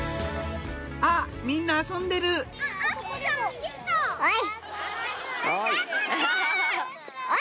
「あっみんな遊んでる」おい！